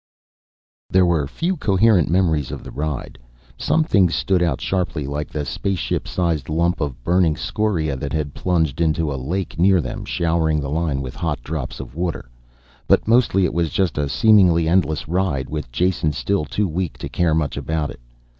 There were few coherent memories of the ride. Some things stood out sharply like the spaceship sized lump of burning scoria that had plunged into a lake near them, showering the line with hot drops of water. But mostly it was just a seemingly endless ride, with Jason still too weak to care much about it.